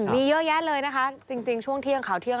มีเยอะแยะเลยนะคะจริงช่วงเที่ยงข่าวเที่ยง